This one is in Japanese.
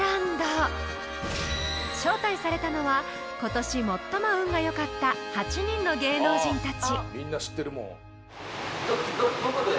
［招待されたのは今年最も運が良かった８人の芸能人たち］